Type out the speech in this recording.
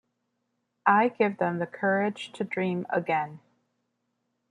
I give them the courage to dream again.